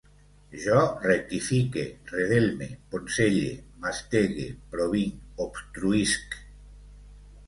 Jo rectifique, redelme, poncelle, mastegue, provinc, obstruïsc